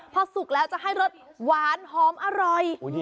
พอสุกแล้วจะให้รสหวานหอมอร่อย